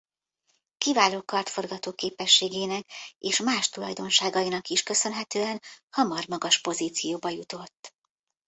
Kiváló kardforgató képességének és más tulajdonságainak is köszönhetően hamar magas pozícióba jutott.